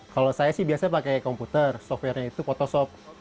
kalau saya sih biasanya pakai komputer softwarenya itu photoshop